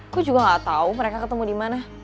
gue juga gak tau mereka ketemu dimana